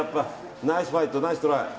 ナイスファイト、ナイストライ。